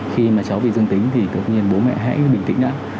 khi mà cháu bị dương tính thì tự nhiên bố mẹ hãy bình tĩnh ná